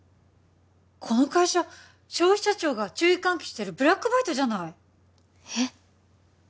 この会社消費者庁が注意喚起してるブラックバイトじゃないえっ？